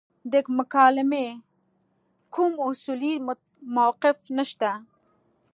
د مکالمې کوم اصولي موقف نشته.